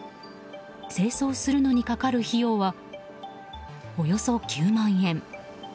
清掃するのにかかる費用はおよそ９万円。